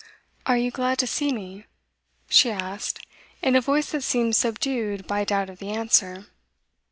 'Are you glad to see me?' she asked, in a voice that seemed subdued by doubt of the answer.